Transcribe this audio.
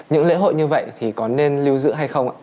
những lễ hội như vậy thì có nên lưu giữ hay không ạ